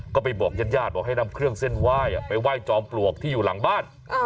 ก็ไปบอกญาติญาติบอกให้นำเครื่องเส้นไหว้ไปไหว้จอมปลวกที่อยู่หลังบ้าน